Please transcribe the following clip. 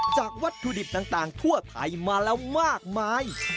วัตถุดิบต่างทั่วไทยมาแล้วมากมาย